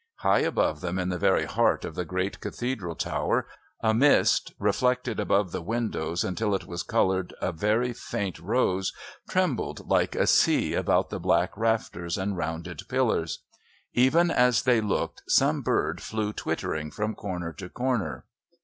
High above them, in the very heart of the great Cathedral tower, a mist, reflected above the windows until it was coloured a very faint rose, trembled like a sea about the black rafters and rounded pillars. Even as they looked some bird flew twittering from corner to corner.